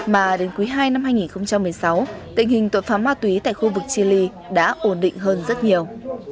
mà đến cuối hai năm hai nghìn một mươi sáu tình hình tội phạm ma túy tại khu vực chile đã ổn định hơn rất nhiều